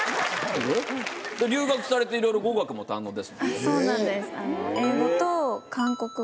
留学されて語学も堪能ですもんね。